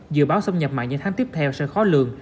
dự báo xâm nhập mặn những tháng tiếp theo sẽ khó lường